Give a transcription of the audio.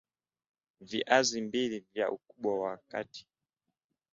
Viazi mbili vya ukubwa wa kati